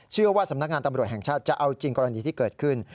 สำนักงานตำรวจแห่งชาติจะเอาจริงกรณีที่เกิดขึ้น